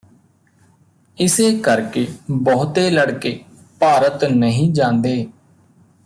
ਇਸੇ ਕਰਕੇ ਬਹੁਤੇ ਲੜਕੇ ਭਾਰਤ ਨਹੀਂ ਜਾਂਦੇ